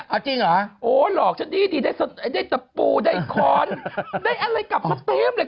เอาจริงเหรอโอ้หลอกฉันดีได้สัตว์ได้สัตว์ได้คอร์นได้อะไรกลับมาเต็มเลย